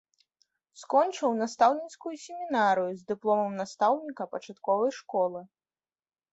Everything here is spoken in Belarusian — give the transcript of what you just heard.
Скончыў настаўніцкую семінарыю з дыпломам настаўніка пачатковай школы.